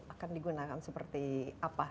akan digunakan seperti apa